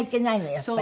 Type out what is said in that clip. やっぱり。